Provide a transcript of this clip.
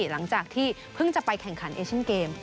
หลังจากที่เพิ่งจะไปแข่งขันเอเชียนเกม